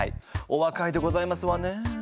おわかいでございますわね。